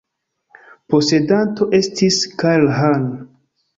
Posedanto estis Carl Hahn.